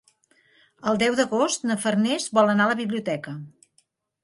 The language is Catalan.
El deu d'agost na Farners vol anar a la biblioteca.